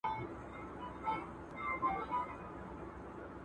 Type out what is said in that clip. شور ماشور وي د بلبلو بوی را خپور وي د سنځلو `